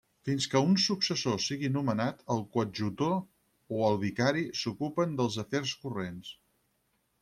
Fins que un successor sigui nomenat, el coadjutor o el vicari s'ocupen dels afers corrents.